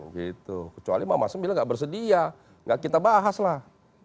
kecuali mas maman bilang gak bersedia gak kita bahas lah